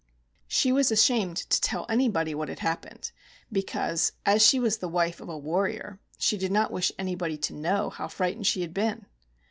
She was ashamed to tell anybody what had happened — because, as she was the wife of a warrior, she did not wish anybody to know how frightened she had been.